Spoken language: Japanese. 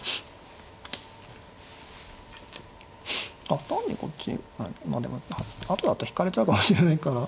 あっ単にこっちまあでもあとだと引かれちゃうかもしれないから。